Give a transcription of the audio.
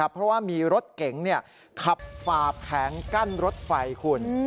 เพราะว่ามีรถเก๋งขับฝ่าแผงกั้นรถไฟคุณ